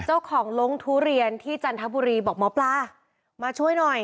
ลงทุเรียนที่จันทบุรีบอกหมอปลามาช่วยหน่อย